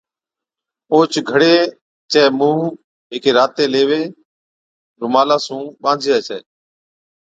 اوھچ گھڙي چَي مُونھ ھيڪي راتي ليوي (رُومالا) سُون ٻانڌجَي ڇَي